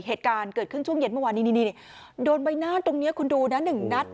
เหตุการณ์เกิดขึ้นช่วงเย็นเมื่อวานนี้โดนใบหน้าตรงนี้คุณดูนะ๑นัด